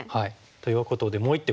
ということでもう一手